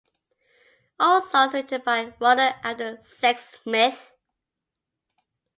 All songs written by Ronald Eldon Sexsmith.